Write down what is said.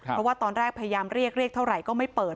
เพราะว่าตอนแรกพยายามเรียกเรียกเท่าไหร่ก็ไม่เปิด